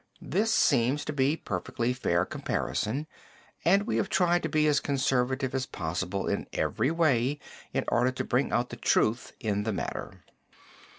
This seems to be perfectly fair comparison and we have tried to be as conservative as possible in every way in order to bring out the truth in the matter.